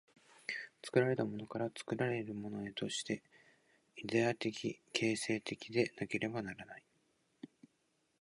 作られたものから作るものへとして、イデヤ的形成的でなければならない。